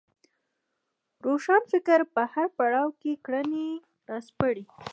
روښانفکر په هر پړاو کې کړنې راسپړي